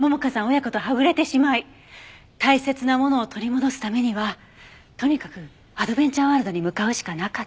親子とはぐれてしまい大切なものを取り戻すためにはとにかくアドベンチャーワールドに向かうしかなかった。